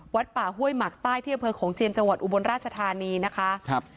วัดป่าห้วยหมักใต้ที่อำเภอโขงเจียมจังหวัดอุบลราชธานีนะคะครับ